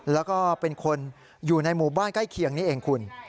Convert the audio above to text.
แล้วก็เป็นคนอยู่ในหมู่บ้านใกล้เคียงนี่เองคุณ